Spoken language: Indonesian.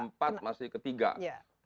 ppkm masih dari empat ke tiga